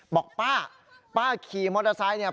บอกป้าป้าขี่มอเตอร์ไซค์เนี่ย